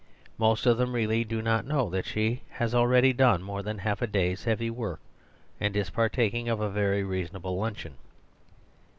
Most of them really do not know that she has already done more than half a heavy day's work, and is partaking of a very reasonable luncheon.